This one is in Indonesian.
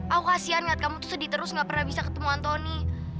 aku kasian melihat kamu tuh sedih terus gak pernah bisa ketemu anthony